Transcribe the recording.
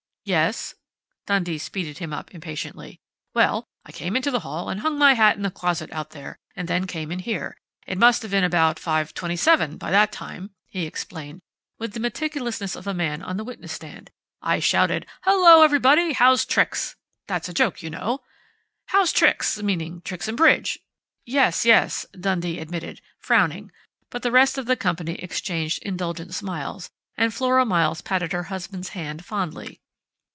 "Yes?" Dundee speeded him up impatiently. "Well, I came right into the hall, and hung my hat in the closet out there, and then came in here. It must have been about 5:27 by that time," he explained, with the meticulousness of a man on the witness stand. "I shouted, 'Hello, everybody! How's tricks?...' That's a joke, you know. 'How's tricks?' meaning tricks in bridge " "Yes, yes," Dundee admitted, frowning, but the rest of the company exchanged indulgent smiles, and Flora Miles patted her husband's hand fondly.